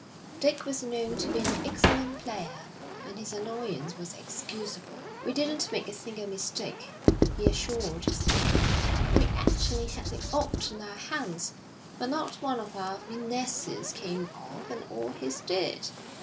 Dick was known to be an excellent player, and his annoyance was excusable. 'We didn't make a single mistake,' he assured his partner, 'and we actually had the odd in our hands, but not one of our finesses came off, and all his did.'